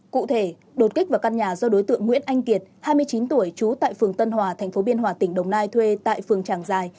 cụ thể đột kích vào căn nhà do đối tượng nguyễn anh kiệt hai mươi chín tuổi trú tại phường tân hòa tp biên hòa tỉnh đồng nai thuê tại phường tràng giài